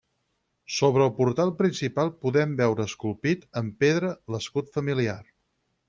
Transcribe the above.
Sobre el portal principal podem veure esculpit amb pedra l'escut familiar.